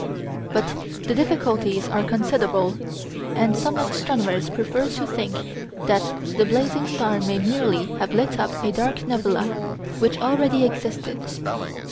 But the difficulties are considerable, and some astronomers prefer to think that the blazing star may merely have lit up a dark nebula which already existed.